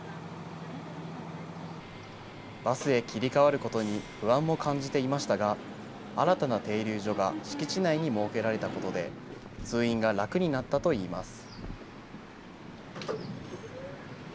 バスへ切り替わることに不安も感じていましたが、新たな停留所が敷地内に設けられたことで、通院が楽になったといいます。